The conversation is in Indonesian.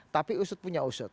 tapi usut punya usut